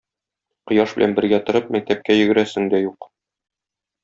Кояш белән бергә торып, мәктәпкә йөгерәсең дә юк.